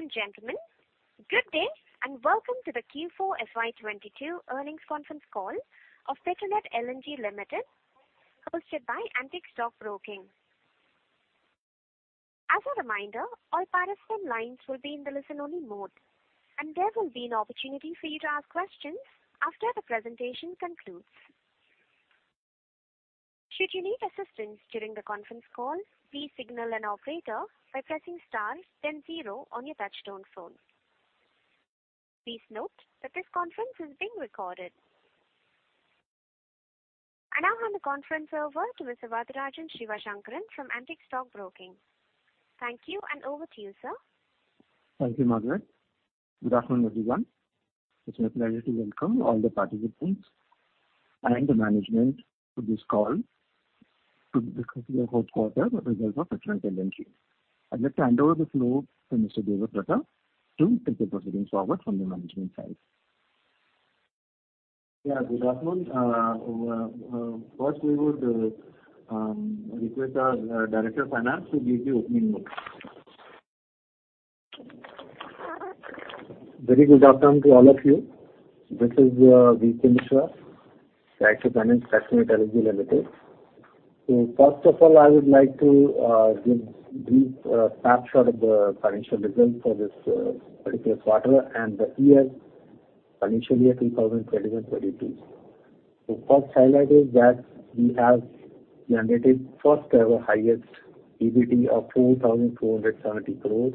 Ladies and gentlemen, good day, and welcome to the Q4 FY22 earnings conference call of Petronet LNG Limited, hosted by Antique Stock Broking. As a reminder, all participant lines will be in the listen-only mode, and there will be an opportunity for you to ask questions after the presentation concludes. Should you need assistance during the conference call, please signal an operator by pressing star then zero on your touchtone phone. Please note that this conference is being recorded. I now hand the conference over to Mr. Varadarajan Sivasankaran from Antique Stock Broking. Thank you, and over to you, sir. Thank you, Margaret. Good afternoon, everyone. It's my pleasure to welcome all the participants and the management to this call to discuss the fourth quarter results of Petronet LNG. I'd like to hand over the floor to Mr. Mitra to take the proceedings forward from the management side. Yeah, good afternoon. First, we would request our Director of Finance to give the opening notes. Very good afternoon to all of you. This is Vinod Kumar Mishra, Director of Finance, Petronet LNG Limited. First of all, I would like to give brief snapshot of the financial results for this particular quarter and the year, financial year 2020 and 2022. The first highlight is that we have generated first ever highest EBT of 4,270 crore...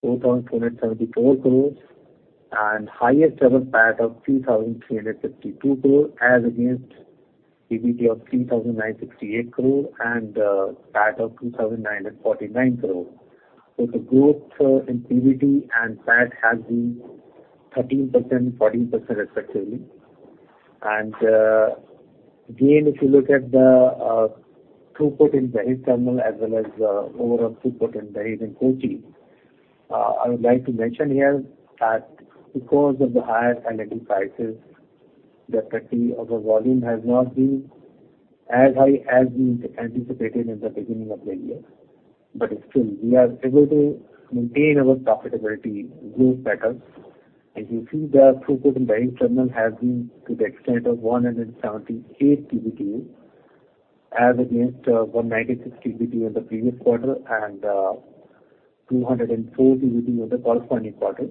4,274 crore, and highest ever PAT of 2,352 crore, as against EBT of 3,968 crore and PAT of 2,949 crore. The growth in EBT and PAT has been 13%, 14% respectively. Again, if you look at the throughput in Dahej Terminal as well as overall throughput in Dahej and Kochi, I would like to mention here that because of the higher LNG prices, the effect of our volume has not been as high as we anticipated in the beginning of the year. But still, we are able to maintain our profitability growth patterns. If you see, the throughput in Dahej Terminal has been to the extent of 178 TBtu, as against 196 TBtu in the previous quarter and 204 TBtu in the corresponding quarter.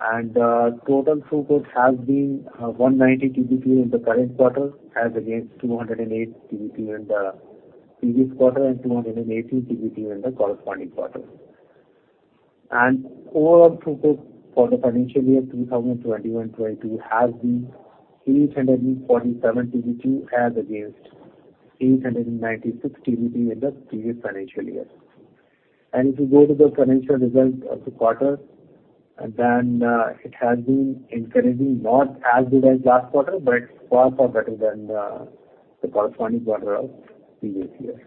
Total throughput has been 190 TBtu in the current quarter, as against 208 TBtu in the previous quarter and 218 TBtu in the corresponding quarter. Overall throughput for the financial year 2021-22 has been 847 TBtu, as against 896 TBtu in the previous financial year. If you go to the financial results of the quarter, it has been encouraging, not as good as last quarter, but far, far better than the corresponding quarter of previous year.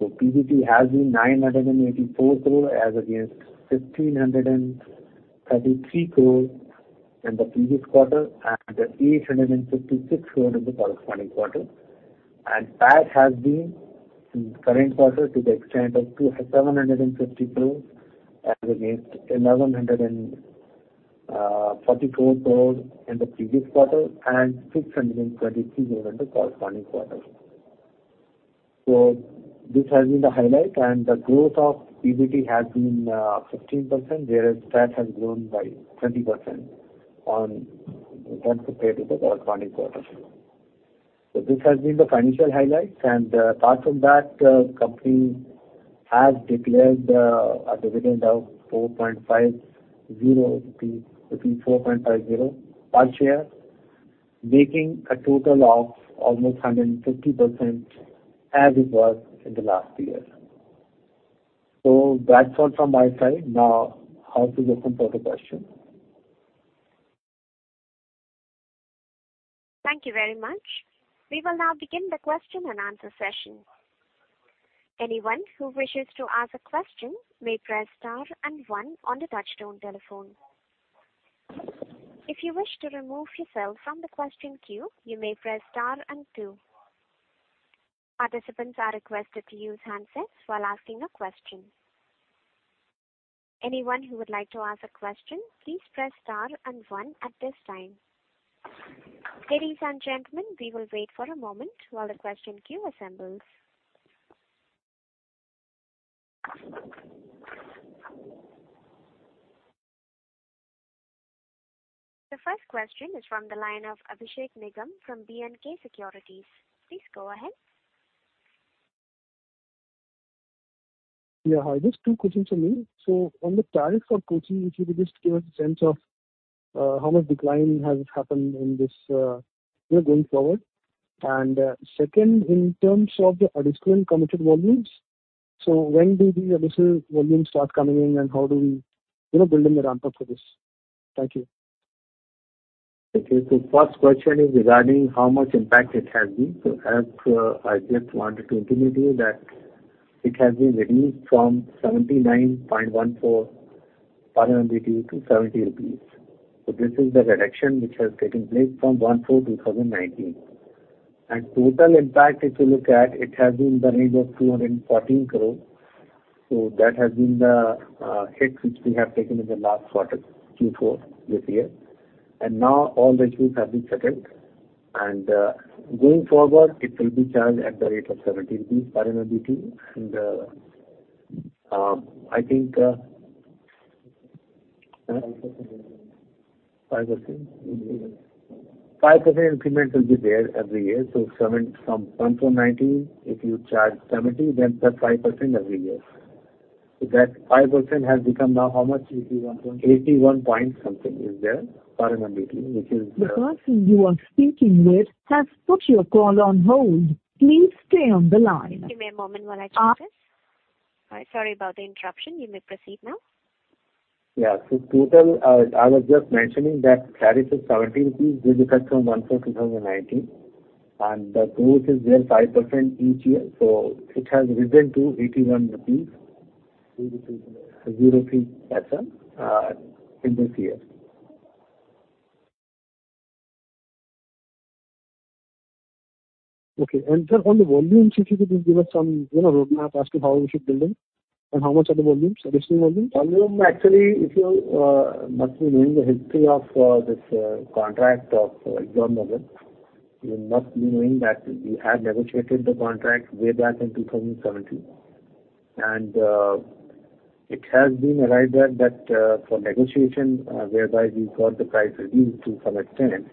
PBT has been 984 crore, as against 1,533 crore in the previous quarter and 856 crore in the corresponding quarter. PAT has been, in the current quarter, to the extent of 275 crore, as against 1,144 crore in the previous quarter and 623 crore in the corresponding quarter. So this has been the highlight, and the growth of PBT has been 15%, whereas PAT has grown by 20% compared to the corresponding quarter. So this has been the financial highlights, and apart from that, company has declared a dividend of 4.50 rupees to 4.50 per share, making a total of almost 150% as it was in the last year. So that's all from my side. Now, I have to listen to the questions. Thank you very much. We will now begin the question-and-answer session. Anyone who wishes to ask a question may press star and one on the touchtone telephone. If you wish to remove yourself from the question queue, you may press star and two. Participants are requested to use handsets while asking a question. Anyone who would like to ask a question, please press star and one at this time. Ladies and gentlemen, we will wait for a moment while the question queue assembles. The first question is from the line of Abhishek Nigam from B&K Securities. Please go ahead. Yeah. Hi, just two questions from me. So on the tariff for Kochi, if you could just give us a sense of, how much decline has happened in this, year going forward? And, second, in terms of the additional committed volumes, so when do these additional volumes start coming in, and how do we, you know, build in the ramp-up for this? Thank you. Okay, so first question is regarding how much impact it has been. So as, I just wanted to intimate you that it has been reduced from $79.14 per MMBtu to 70 rupees. So this is the reduction which has taken place from 1/4/2019. And total impact, if you look at, it has been in the range of 214 crore. So that has been the hit which we have taken in the last quarter, Q4 this year. And now all the issues have been settled. And, going forward, it will be charged at the rate of INR 70 per MMBtu. And, I think, 5%? 5% increment will be there every year. So 70 from 1/4/2019, if you charge 70, then that's 5% every year. That 5% has become now how much? Eighty-one point. 81 point something is there for MMBtu, which is, The person you are speaking with has put your call on hold. Please stay on the line. You may have a moment while I check this. Sorry about the interruption. You may proceed now. Yeah. So total, I was just mentioning that tariff is 17 rupees with effect from 1/4/2019, and the growth is there 5% each year, so it has risen to 81 rupees- Zero three. INR 0.03 in this year. Okay. Sir, on the volumes, if you could just give us some, you know, roadmap as to how we should build them, and how much are the volumes, the existing volumes? Volume, actually, if you must be knowing the history of this contract of Exxon project, you must be knowing that we had negotiated the contract way back in 2017. It has been arrived at that for negotiation whereby we got the price reduced to some extent.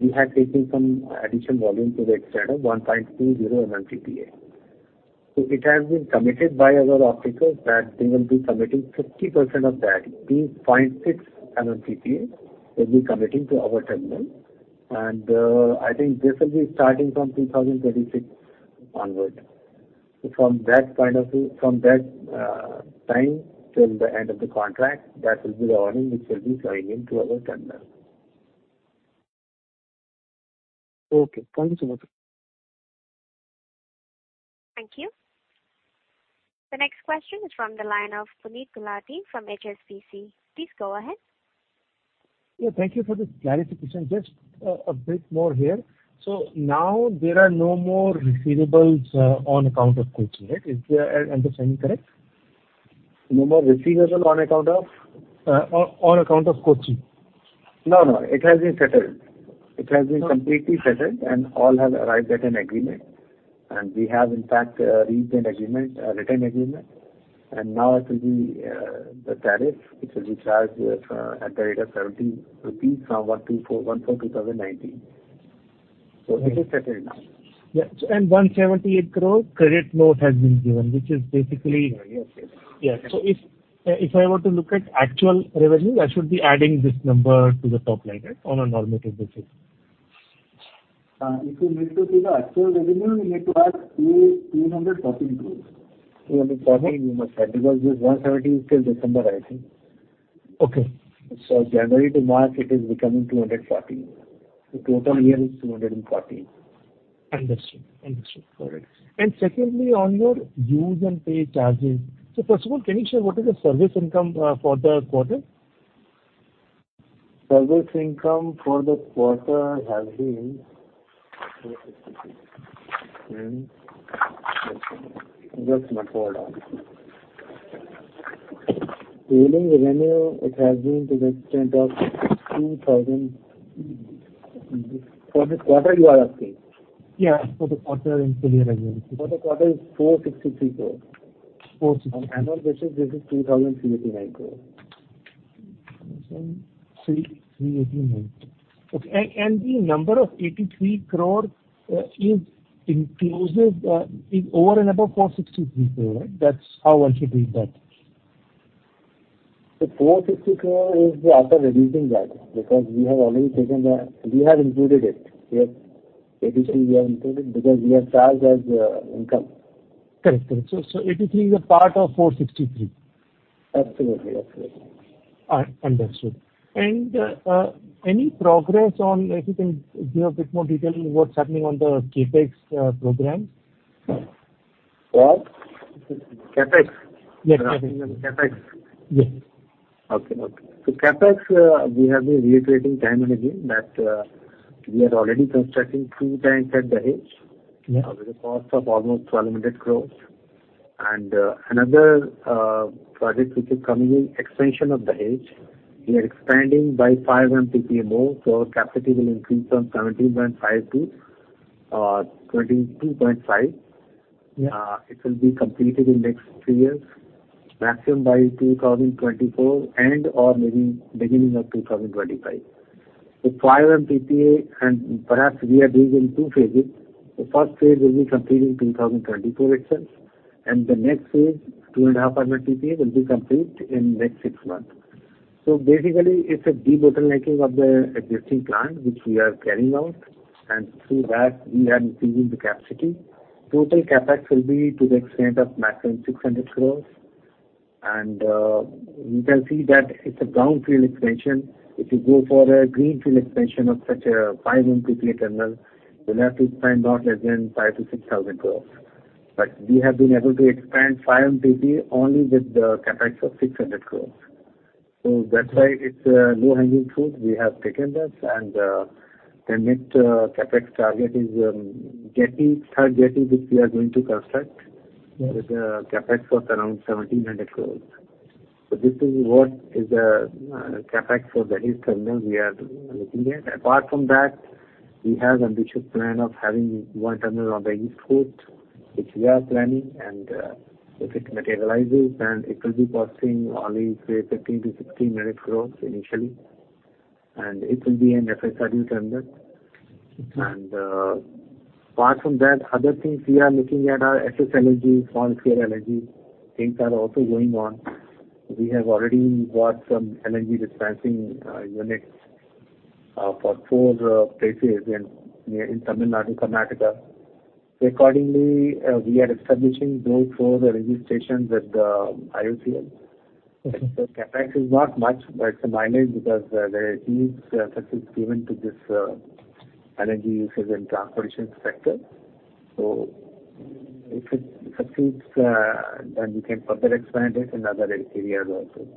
We had taken some additional volume to the extent of 1.20 MMTPA. So it has been committed by our off-taker that they will be committing 50% of that, means 0.6 MMTPA, they'll be committing to our terminal. And I think this will be starting from 2026 onward. So from that point of view, from that time till the end of the contract, that will be the volume which will be flowing into our terminal. Okay. Thank you so much. Thank you. The next question is from the line of Puneet Gulati from HSBC. Please go ahead. Yeah, thank you for this clarification. Just a bit more here. So now there are no more receivables on account of Kochi, right? Is my understanding correct? No more receivable on account of? On account of Kochi. No, no, it has been settled. Okay. It has been completely settled, and all have arrived at an agreement. And we have, in fact, a recent agreement, a written agreement, and now it will be the tariff which will be charged at the rate of 70 rupees from 1/4/2019. So it is settled now. Yeah. So, and 178 crore credit note has been given, which is basically- Yes, yes. Yeah. So if I were to look at actual revenue, I should be adding this number to the top line, right, on a normative basis? If you need to see the actual revenue, you need to add 214 crore. 214, you must add, because this 170 is till December, I think. Okay. January to March, it is becoming 214. The total year is 214. Understood. Understood. All right. And secondly, on your use and pay charges, so first of all, can you share what is the service income for the quarter? Service income for the quarter has been... Regas revenue, it has been to the extent of 2,000. For this quarter, you are asking? Yeah, for the quarter and full year as well. For the quarter, it's 463 crore. Four sixty-three. On annual basis, this is 2,389 crore. 2,003,389. Okay. The number of 83 crore is in closes, in over and above 463 crore, right? That's how one should read that. The 460 crore is the after reducing that, because we have already taken the... We have included it. Yes. 83 we have included because we have charged as income. Correct. Correct. So, so 83 is a part of 463? Absolutely. Absolutely. Understood. And, any progress on... If you can give a bit more detail on what's happening on the CapEx programs? What? CapEx? Yes, CapEx. You're asking about CapEx? Yes. Okay, okay. So CapEx, we have been reiterating time and again that, we are already constructing two tanks at Dahej. Yeah. With a cost of almost 1,200 crore. And, another project which is coming in, expansion of the Dahej. We are expanding by 5 MMTPA more, so capacity will increase from 17.5 to 22.5. Yeah. It will be completed in next three years, maximum by 2024, and/or maybe beginning of 2025. So 5 MMTPA, and perhaps we are doing in two phases. The phase I will be complete in 2024 itself, and the next phase, 2.5 MMTPA, will be complete in next six months. So basically, it's a debottlenecking of the existing plant, which we are carrying out, and through that, we are increasing the capacity. Total CapEx will be to the extent of maximum 600 crore. And, you can see that it's a brownfield expansion. If you go for a greenfield expansion of such a 5 MMTPA terminal, you'll have to spend not less than 5,000-6,000 crore. But we have been able to expand 5 MMTPA only with the CapEx of 600 crore.... So that's why it's a low-hanging fruit. We have taken that, and the next CapEx target is jetty, third jetty, which we are going to construct- Yes. -with a CapEx of around 1,700 crores. So this is what is the, CapEx for the east terminal we are looking at. Apart from that, we have ambitious plan of having one terminal on the east coast, which we are planning, and, if it materializes, then it will be costing only, say, 1,500-1,600 crores initially, and it will be an FSRU terminal. Okay. Apart from that, other things we are looking at are SSLNG, small-scale LNG. Things are also going on. We have already got some LNG dispensing units for four places in near Tamil Nadu, Karnataka. Accordingly, we are establishing those four LNG stations with the IOCL. Okay. So CapEx is not much, but it's a milestone because there is huge emphasis given to this LNG usage in transportation sector. So if it succeeds, then we can further expand it in other areas also.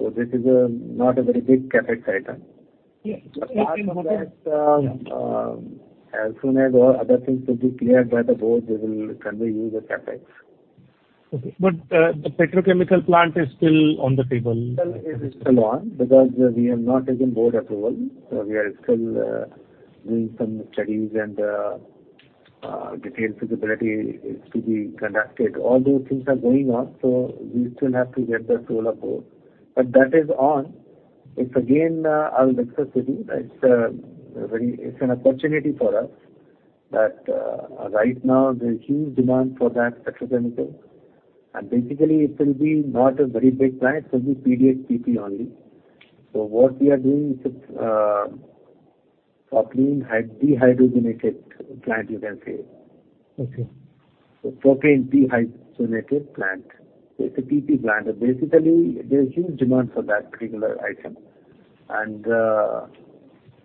So this is not a very big CapEx item. Yes. Apart from that, as soon as all other things will be cleared by the board, we will come to you with CapEx. Okay. But, the petrochemical plant is still on the table? It is still on, because we have not taken board approval. So we are still doing some studies and detailed feasibility is to be conducted. All those things are going on, so we still have to get the seal of board. But that is on. It's again our necessity, right? It's a very—it's an opportunity for us that right now, there's huge demand for that petrochemical. And basically, it will be not a very big plant. It will be PDH-PP only. So what we are doing is propane dehydrogenation plant, you can say. Okay. So propane dehydrogenated plant. It's a PP plant. So basically, there's huge demand for that particular item. And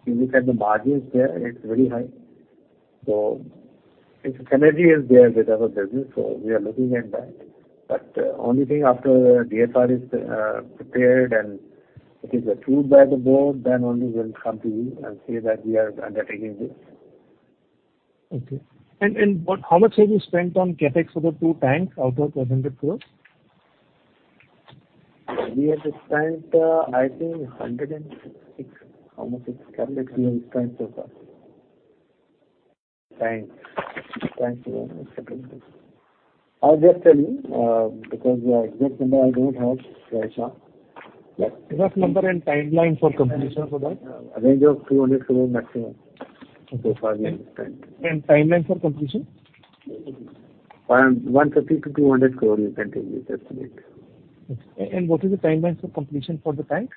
if you look at the margins there, it's very high. So its synergy is there with our business, so we are looking at that. But only thing after DFR is prepared and it is approved by the board, then only we'll come to you and say that we are undertaking this. Okay. But how much have you spent on CapEx for the 2 tanks out of 400 crore? We have spent, I think 106. How much we have spent so far? Thanks. Thanks for your interest. I'll just tell you, because the exact number I don't have right now. Yeah. Rough number and timeline for completion for that? A range of 200 crore maximum. Okay. For the time. Timeline for completion? 150 crore-200 crore, you can take the estimate. Okay. And what is the timelines for completion for the tanks?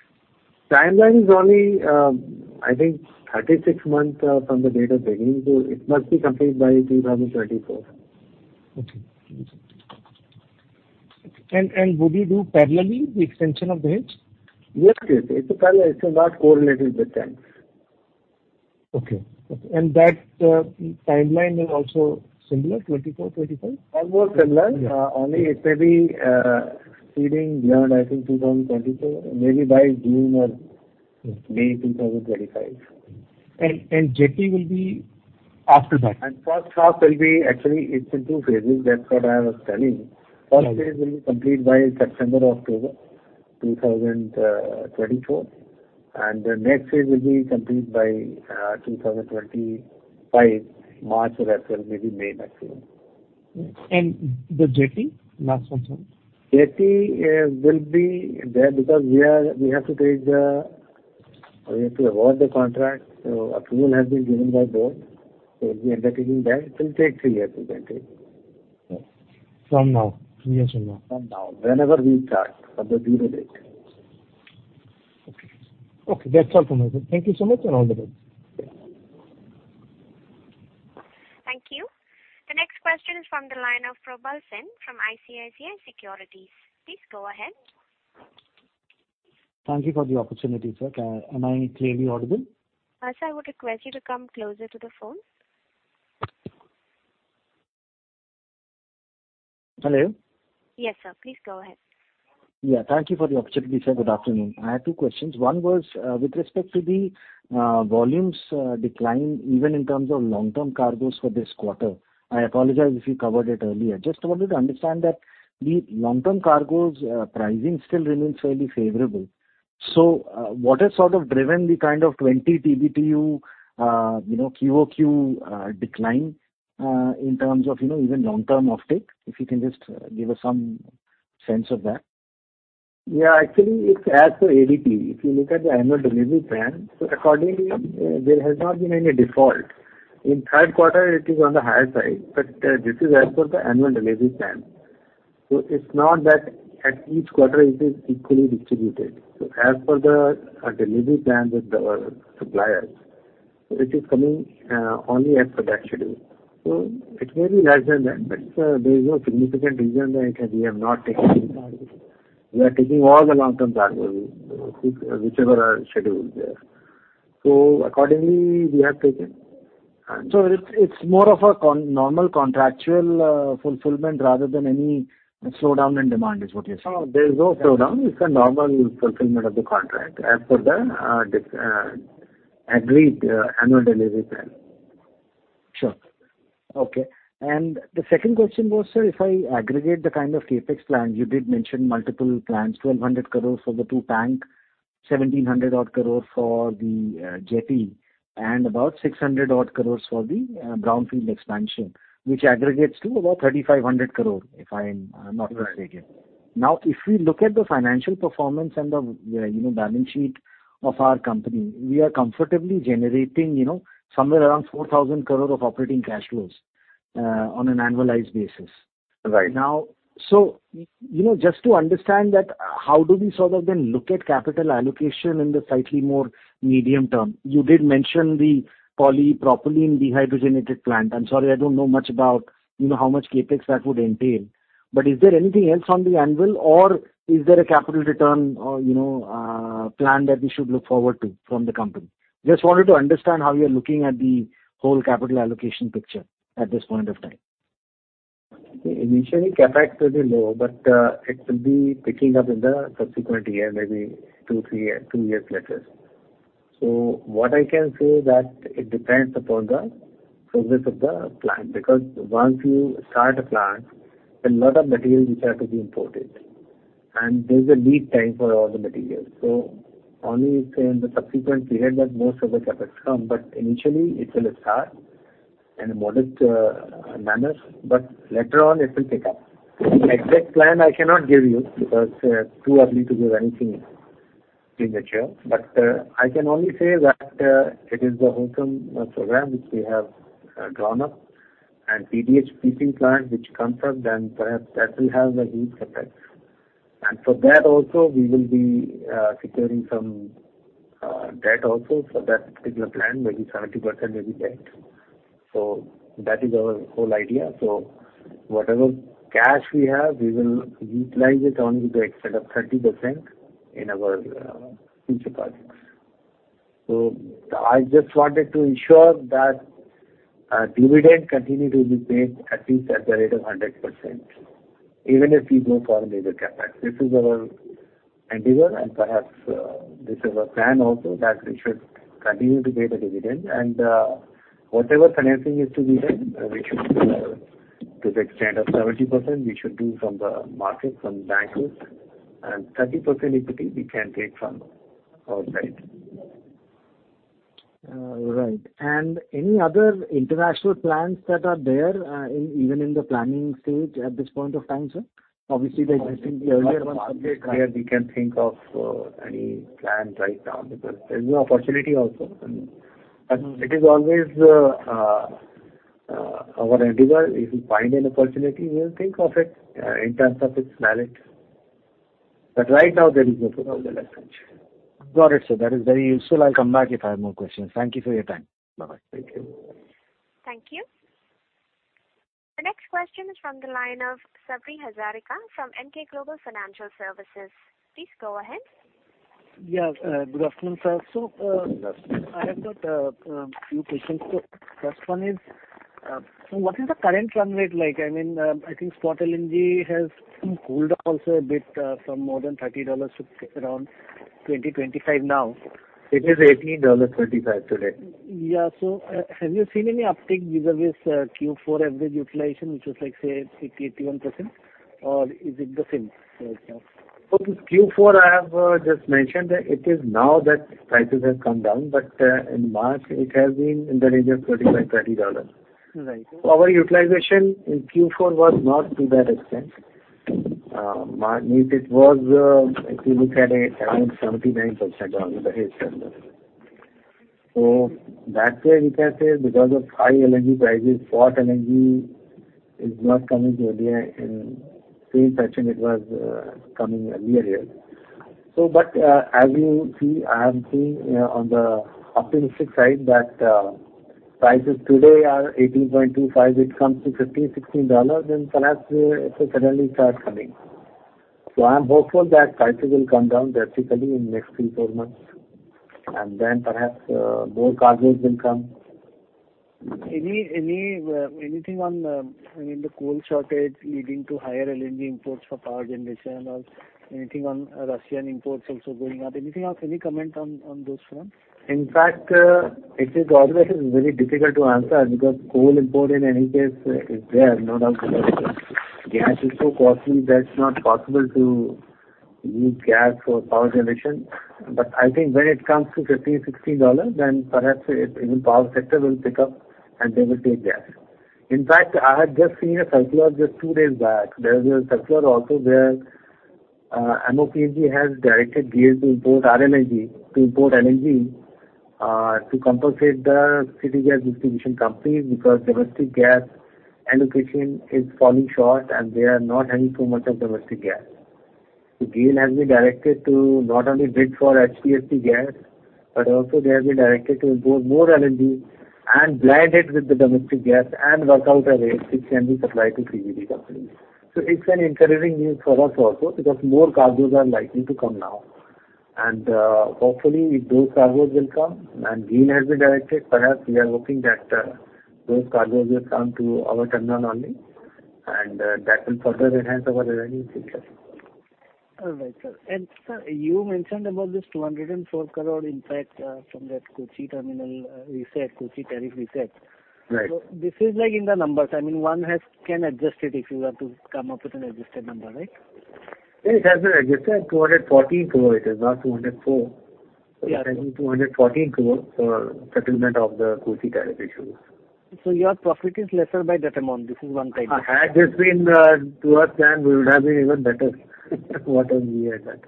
Timeline is only, I think 36 months, from the date of beginning. So it must be completed by 2024. Okay. Would you do parallelly the extension of the hedge? Yes, yes. It's parallel. It's not correlated with time. Okay. Okay. And that timeline is also similar, 2024, 2025? More similar. Yeah. Only it may be exceeding beyond, I think, 2024, maybe by June or- Okay May 2025. And jetty will be after that? First half will be... Actually, it's in two phases. That's what I was telling you. Okay. Phase I will be complete by September-October 2024, and the next phase will be complete by 2025, March or April, maybe May maximum. The jetty? Last one, sir. Jetty will be there because we have to award the contract. So approval has been given by board, so we are undertaking that. It will take three years, I think. From now. Three years from now. From now, whenever we start on the due date. Okay. Okay, that's all for me. Thank you so much, and all the best. Thank you. The next question is from the line of Probal Sen, from ICICI Securities. Please go ahead. Thank you for the opportunity, sir. Am I clearly audible? Sir, I would request you to come closer to the phone. Hello? Yes, sir. Please go ahead. Yeah, thank you for the opportunity, sir. Good afternoon. I have two questions. One was with respect to the volumes decline, even in terms of long-term cargos for this quarter. I apologize if you covered it earlier. Just wanted to understand that the long-term cargos pricing still remains fairly favorable. So, what has sort of driven the kind of 20 TBtu, you know, QOQ decline in terms of, you know, even long-term offtake? If you can just give us some sense of that. Yeah, actually, it's as per ADP. If you look at the annual delivery plan, so accordingly, there has not been any default. In third quarter, it is on the higher side, but this is as per the annual delivery plan. So it's not that at each quarter it is equally distributed. So as per the delivery plan with our suppliers, so it is coming only as per that schedule. So it may be less than that, but there is no significant reason that we have not taken any cargo. We are taking all the long-term cargos, whichever are scheduled there.... So accordingly, we have taken? It's more of a normal contractual fulfillment rather than any slowdown in demand, is what you're saying? No, there's no slowdown. It's a normal fulfillment of the contract as per the agreed annual delivery plan. Sure. Okay. And the second question was, sir, if I aggregate the kind of CapEx plan, you did mention multiple plans, 1,200 crore for the two tank, 1,700-odd crore for the jetty, and about 600-odd crore for the brownfield expansion, which aggregates to about 3,500 crore, if I'm not mistaken. Right. Now, if we look at the financial performance and the, you know, balance sheet of our company, we are comfortably generating, you know, somewhere around 4,000 crore of operating cash flows on an annualized basis. Right. Now, so, you know, just to understand that, how do we sort of then look at capital allocation in the slightly more medium term? You did mention the polypropylene dehydrogenated plant. I'm sorry, I don't know much about, you know, how much CapEx that would entail. But is there anything else on the anvil, or is there a capital return or, you know, plan that we should look forward to from the company? Just wanted to understand how you're looking at the whole capital allocation picture at this point of time. Initially, CapEx will be low, but it will be picking up in the subsequent year, maybe two, three years, two years later. So what I can say that it depends upon the progress of the plant, because once you start a plant, a lot of materials which have to be imported, and there's a lead time for all the materials. So only in the subsequent period that most of the CapEx come, but initially it will start in a modest manner, but later on it will pick up. The exact plan I cannot give you, because too early to give anything premature. But I can only say that it is a wholesome program which we have drawn up and PDH-PP plant, which comes up, then perhaps that will have a huge effect. For that also, we will be securing some debt also for that particular plan, maybe 70% will be debt. So that is our whole idea. So whatever cash we have, we will utilize it only to the extent of 30% in our future projects. So I just wanted to ensure that dividend continue to be paid at least at the rate of 100%, even if we go for major CapEx. This is our endeavor, and perhaps this is our plan also, that we should continue to pay the dividend. And whatever financing is to be done, we should to the extent of 70%, we should do from the market, from the bankers, and 30% equity we can take from outside. Right. And any other international plans that are there, even in the planning stage at this point of time, sir? Obviously, the existing earlier ones- We can think of any plans right now, because there's no opportunity also. But it is always our endeavor, if you find an opportunity, we will think of it in terms of its merit. But right now, there is no plan. Got it, sir. That is very useful. I'll come back if I have more questions. Thank you for your time. Bye-bye. Thank you. Thank you. The next question is from the line of Sabri Hazarika from Emkay Global Financial Services. Please go ahead. Yes, good afternoon, sir. So, Good afternoon. I have got a few questions. So first one is, so what is the current run rate like? I mean, I think spot LNG has been cooled off also a bit, from more than $30 to around $20-$25 now. It is $18.35 today. Yeah. So have you seen any uptick vis-à-vis Q4 average utilization, which was like, say, 80%-81%, or is it the same right now? For Q4, I have just mentioned that it is now that prices have come down, but in March, it has been in the range of $25-$30. Right. Our utilization in Q4 was not to that extent. March, it was, if you look at it, around 79% on the base level. So that way we can say because of high LNG prices, spot LNG is not coming to India in the same fashion it was coming earlier here. So but, as you see, I am seeing on the optimistic side, that prices today are $18.25. It comes to $15-$16, then perhaps it will suddenly start coming. So I'm hopeful that prices will come down drastically in the next 3-4 months, and then perhaps more cargoes will come. Anything on, I mean, the coal shortage leading to higher LNG imports for power generation or anything on Russian imports also going up? Anything else, any comment on those fronts? In fact, it is always very difficult to answer because coal import, in any case, is there, no doubt about it. Gas is so costly that it's not possible to use gas for power generation. But I think when it comes to $15-$16, then perhaps it, even power sector will pick up and they will take gas. In fact, I have just seen a circular just two days back. There was a circular also where, MoPNG has directed GAIL to import our LNG, to import LNG, to compensate the city gas distribution company, because domestic gas allocation is falling short and they are not having so much of domestic gas. So GAIL has been directed to not only bid for HPHT gas, but also they have been directed to import more LNG and blend it with the domestic gas and work out a rate which can be supplied to CGD companies. So it's an encouraging news for us also, because more cargoes are likely to come now... And, hopefully those cargoes will come, and GAIL has been directed. Perhaps we are hoping that, those cargoes will come to our terminal only, and, that will further enhance our revenue in future. All right, sir. And sir, you mentioned about this 204 crore impact from that Kochi terminal reset, Kochi tariff reset. Right. So this is like in the numbers. I mean, one can adjust it if you want to come up with an adjusted number, right? It has been adjusted, 214 crore it is, not 204 crore. Yeah. 214 crore for settlement of the Kochi tariff issues. So your profit is lesser by that amount. This is one kind of- Had this been to our plan, we would have been even better. What are we at that?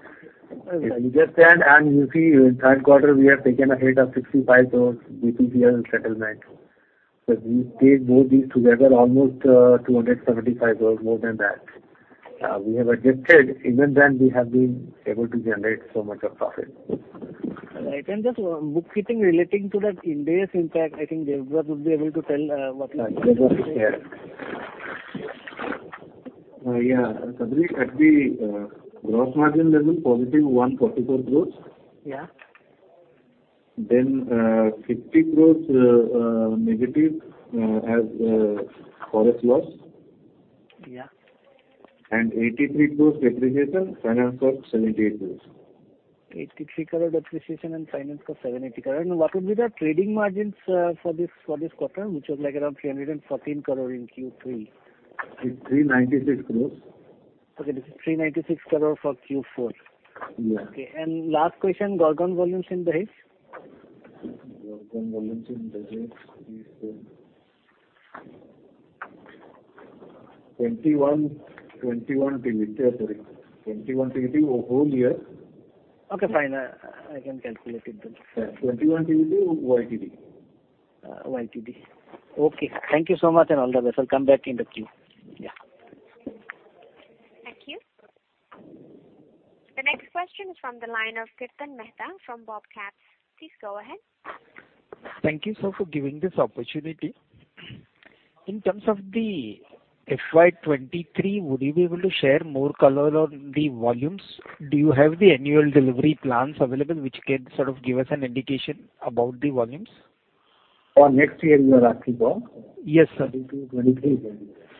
All right. You just said, and you see in third quarter, we have taken a hit of 65 crore BPCL settlement. So we take both these together, almost, 275 or more than that. We have adjusted, even then we have been able to generate so much of profit. I can just bookkeeping relating to that indirect impact. I think Jaiprakash would be able to tell what- Yes. Yeah. Sorry, at the gross margin level, positive 144 crores. Yeah. -50 crore as forex loss. Yeah. 83 crores depreciation, finance cost 78 crores. 83 crore depreciation and finance cost 78 crore. What would be the trading margins, for this, for this quarter, which was like around 314 crore in Q3? It's 396 crore. Okay, this is 396 crore for Q4. Yeah. Okay, and last question, Gorgon volumes in Dahej? Gorgon volumes in Dahej, 21, 21 TBtu, sorry, 21 TBtu whole year. Okay, fine. I can calculate it then. Yeah, 21 TBtu YTD. YTD. Okay, thank you so much, and all the best. I'll come back in the queue. Yeah. Thank you. The next question is from the line of Kirtan Mehta from BOB Capital Markets. Please go ahead. Thank you, sir, for giving this opportunity. In terms of the FY 2023, would you be able to share more color on the volumes? Do you have the annual delivery plans available, which can sort of give us an indication about the volumes? For next year, you are asking for? Yes, sir. 23,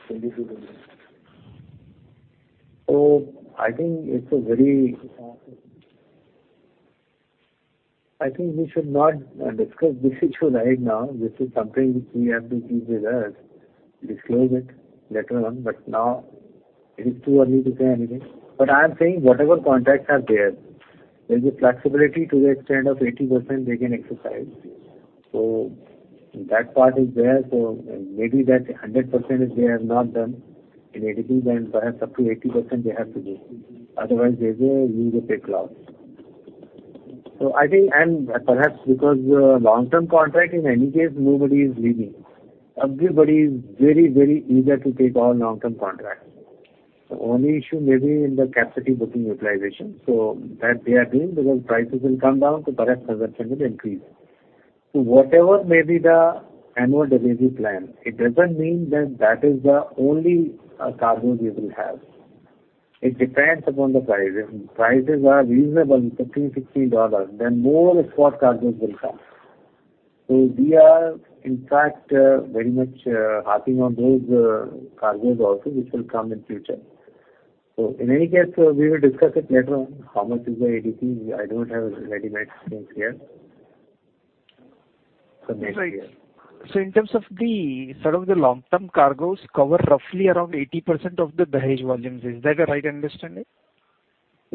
22. So I think it's a very... I think we should not discuss this issue right now. This is something which we have to keep with us, disclose it later on, but now it is too early to say anything. But I am saying whatever contracts are there, there's a flexibility to the extent of 80% they can exercise. So that part is there. So maybe that 100% they have not done in ADP, then perhaps up to 80% they have to do. Otherwise, they will use the pay clause. So I think, and perhaps because, long-term contract, in any case, nobody is leaving. Everybody is very, very eager to take on long-term contracts. The only issue may be in the capacity booking utilization. So that they are doing because prices will come down, so perhaps consumption will increase. So whatever may be the annual delivery plan, it doesn't mean that that is the only cargo we will have. It depends upon the price. If prices are reasonable, $15-$60, then more spot cargoes will come. So we are, in fact, very much hashing on those cargoes also, which will come in future. So in any case, we will discuss it later on, how much is the ADP. I don't have a ready-made things here. For next year. So in terms of the sort of long-term cargoes cover roughly around 80% of the Dahej volumes. Is that a right understanding?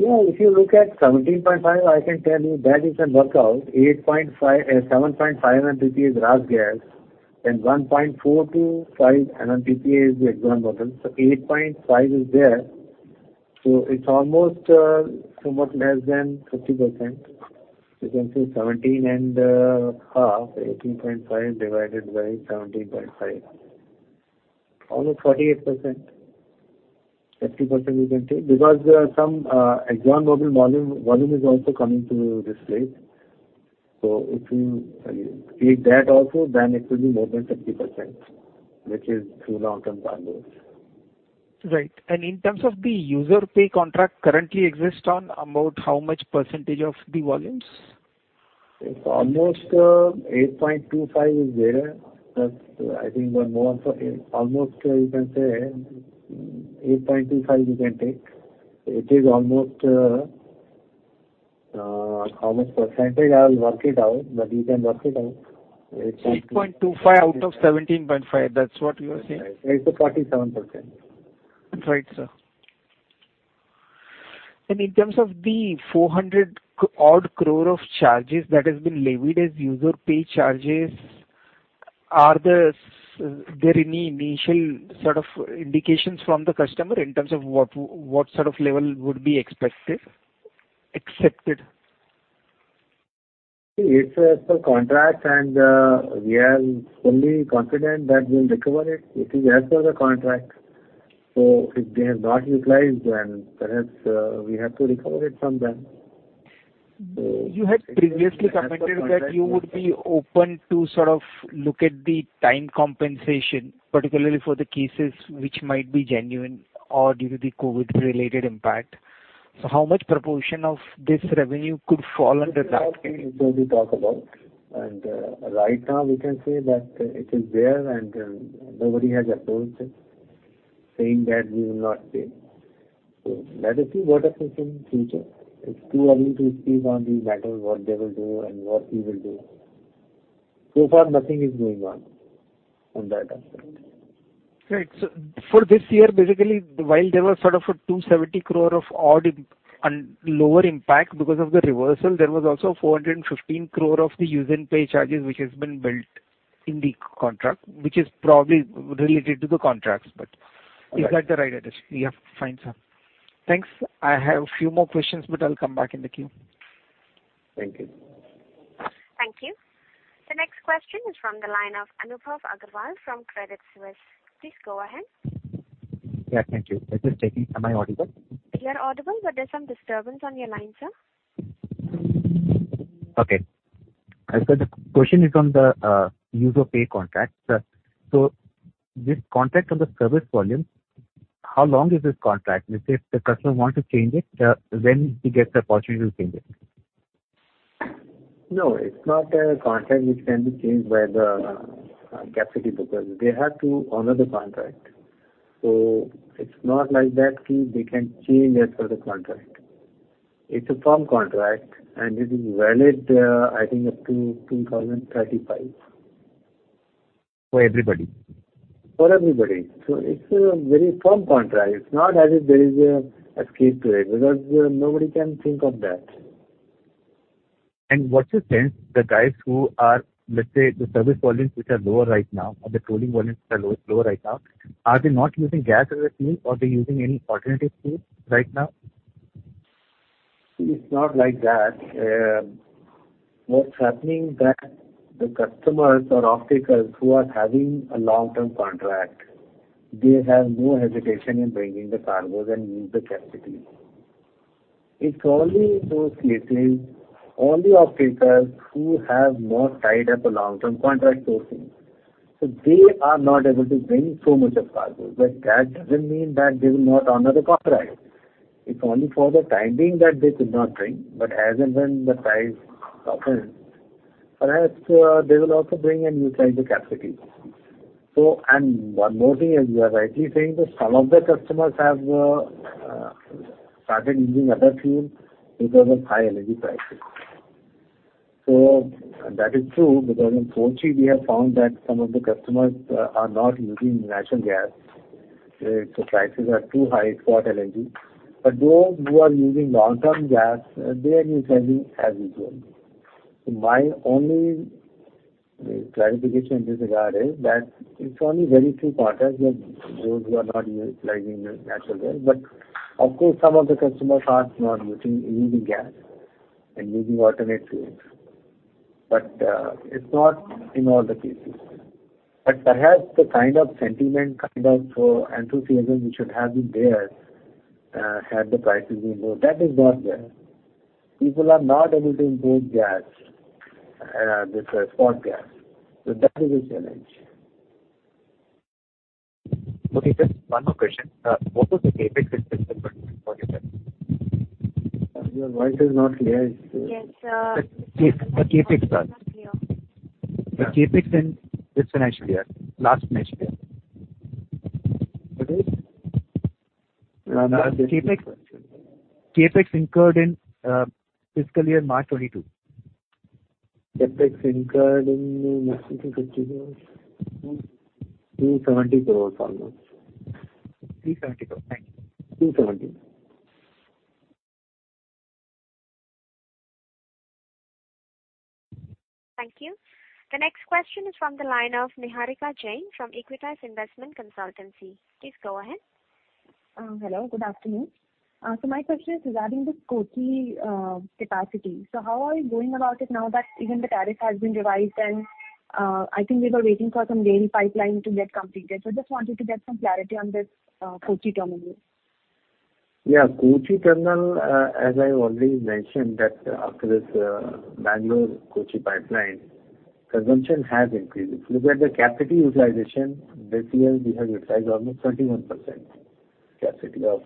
Yeah, if you look at 17.5, I can tell you that is a workout. 8.5, seven point five NTPC is raw gas, and 1.4-5 NNPPA is the Gorgon volume. So 8.5 is there. So it's almost, somewhat less than 50%. You can say 17 and half, 18.5 divided by 17.5. Almost 48%. 50% you can take, because, some, Gorgon volume, volume is also coming to this place. So if you take that also, then it will be more than 50%, which is through long-term volumes. Right. In terms of the user pay contract currently exist on about how much percentage of the volumes? It's almost 8.25 is there. That's I think more or so, almost, you can say, 8.25 you can take. It is almost how much percentage? I'll work it out, but you can work it out. 8.25 out of 17.5, that's what you are saying? It's 47%. Right, sir. And in terms of the 400-odd crore of charges that has been levied as use-or-pay charges, are there any initial sort of indications from the customer in terms of what sort of level would be expected-accepted? It's as per contract, and we are fully confident that we'll recover it. It is as per the contract. So if they have not utilized, then perhaps, we have to recover it from them. You had previously commented that you would be open to sort of look at the time compensation, particularly for the cases which might be genuine or due to the COVID-related impact. So how much proportion of this revenue could fall under that? It's early to talk about. Right now we can say that it is there, and nobody has approached it, saying that we will not pay. So let us see what happens in future. It's too early to speak on these matters, what they will do and what we will do. So far, nothing is going on on that aspect. Right. So for this year, basically, while there was sort of a 270 crore of odd and lower impact because of the reversal, there was also 415 crore of the use and pay charges, which has been built in the contract, which is probably related to the contracts. But- Right. Is that the right address? Yeah, fine, sir. Thanks. I have a few more questions, but I'll come back in the queue. Thank you. Thank you. The next question is from the line of Anubhav Agarwal from Credit Suisse. Please go ahead. Yeah, thank you. Just checking, am I audible? You are audible, but there's some disturbance on your line, sir. Okay. So the question is on the use-or-pay contracts. So this contract on the service volume, how long is this contract? Let's say, if the customer want to change it, when he gets the opportunity to change it? No, it's not a contract which can be changed by the capacity, because they have to honor the contract. So it's not like that, they can change as per the contract. It's a firm contract, and it is valid, I think up to 2035. For everybody? For everybody. It's a very firm contract. It's not as if there is an escape to it, because nobody can think of that. What's your sense, the guys who are, let's say, the service volumes which are lower right now, or the cooling volumes are low, low right now, are they not using gas as a fuel, or they're using any alternative fuel right now? It's not like that. What's happening that the customers or off-takers who are having a long-term contract, they have no hesitation in bringing the cargoes and use the capacity. It's only those cases, only off-takers who have not tied up a long-term contract sourcing, so they are not able to bring so much of cargoes, but that doesn't mean that they will not honor the contract. It's only for the time being that they could not bring, but as and when the price softens, perhaps, they will also bring and utilize the capacity. So. And one more thing, as you are rightly saying, that some of the customers have started using other fuel because of high LNG prices. So that is true, because in Kochi, we have found that some of the customers are not using natural gas. So prices are too high for LNG. But those who are using long-term gas, they are utilizing as usual. So my only clarification in this regard is that it's only very few quarters that those who are not utilizing the natural gas, but of course, some of the customers are not using gas and using alternate fuels. But, it's not in all the cases. But perhaps the kind of sentiment, kind of enthusiasm which should have been there, had the prices been low, that is not there. People are not able to import gas, this spot gas. So that is a challenge. Okay, just one more question. What was the CapEx for you, sir? Your voice is not clear. Yes, sir. The CapEx, sir. Not clear. The CapEx in this financial year, last financial year. What is? The CapEx. CapEx incurred in, fiscal year March 22. CapEx incurred in fiscal 2022, INR 370 crores almost. INR 370 crore. Thank you. Three seventy. Thank you. The next question is from the line of Niharika Jain from Aequitas Investments Consultancy. Please go ahead. Hello, good afternoon. So my question is regarding the Kochi capacity. So how are you going about it now that even the tariff has been revised, and I think we were waiting for some rail pipeline to get completed. So just wanted to get some clarity on this Kochi terminal. Yeah, Kochi terminal, as I already mentioned, that after this Bangalore-Kochi pipeline, consumption has increased. If you look at the capacity utilization, this year, we have utilized almost 31% capacity of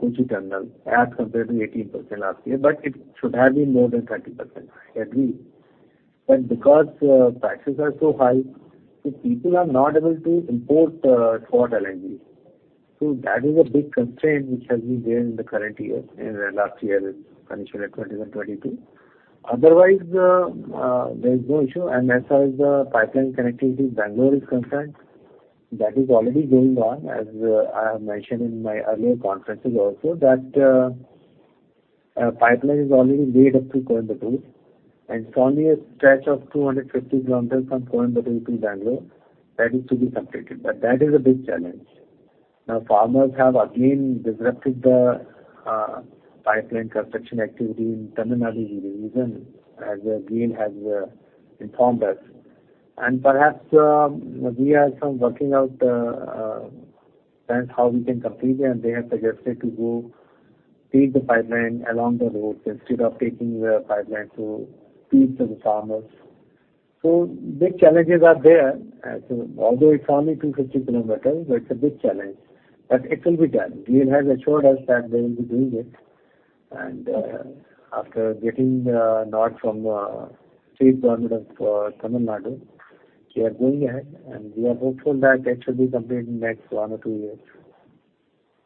Kochi terminal as compared to 18% last year, but it should have been more than 30%, I agree. But because prices are so high, so people are not able to import spot LNG. So that is a big constraint which has been there in the current year, in the last year, financial year 2021-22. Otherwise, there's no issue. And as far as the pipeline connectivity to Bangalore is concerned, that is already going on. As I have mentioned in my earlier conferences also, that pipeline is already made up to Coimbatore, and it's only a stretch of 250 km from Coimbatore to Bengaluru that is to be completed, but that is a big challenge. Now, farmers have again disrupted the pipeline construction activity in Tamil Nadu region, as again has informed us. And perhaps we are some working out plans how we can complete it, and they have suggested to go build the pipeline along the road instead of taking the pipeline to feed to the farmers... So big challenges are there. As although it's only 250 km, but it's a big challenge, but it will be done. GAIL has assured us that they will be doing it. After getting the nod from state government of Tamil Nadu, we are going ahead, and we are hopeful that it should be completed in the next one or two years.